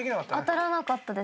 当たらなかったです。